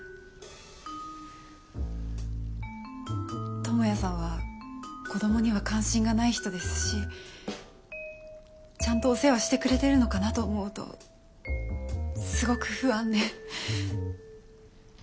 友也さんは子供には関心がない人ですしちゃんとお世話してくれてるのかなと思うとすごく不安で。